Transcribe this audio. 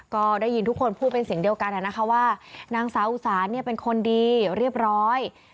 ก็ได้ยินทุกคนพูดเป็นเสียงเดียวกันนะคะว่านางสาวอุสานเป็นคนดีเรียบร้อย